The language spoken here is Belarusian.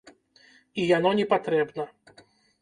І яно не патрэбна.